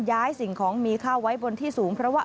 สิ่งของมีค่าไว้บนที่สูงเพราะว่า